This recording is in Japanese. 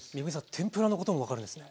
天ぷらのことも分かるんですね。